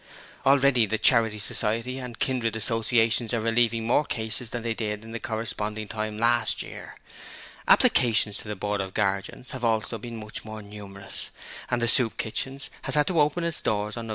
Already the Charity Society and kindred associations are relieving more cases than they did at the corresponding time last year. Applications to the Board of Guardians have also been much more numerous, and the Soup Kitchen has had to open its doors on Nov.